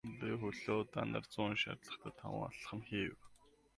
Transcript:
Би хөлөө удаанаар зөөн шаардлагатай таван алхам хийв.